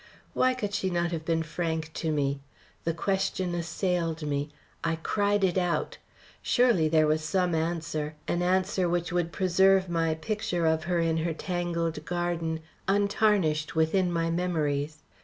Why could she not have been frank to me? The question assailed me; I cried it out. Surely there was some answer, an answer which would preserve my picture of her in her tangled garden, untarnished within my memories.